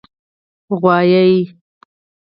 🐂 غوایی